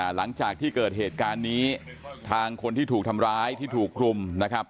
หลังจากที่เกิดเหตุการณ์นี้ทางคนที่ถูกทำร้ายที่ถูกรุมนะครับ